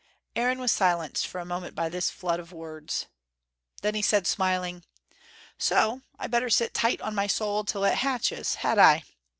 Aaron was silenced for a moment by this flood of words. Then he said smiling: "So I'd better sit tight on my soul, till it hatches, had I?"